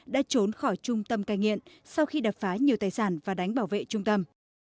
đã trốn khỏi trung tâm cai nghiện sau khi đập phá nhiều tài sản và đánh bảo vệ trung tâm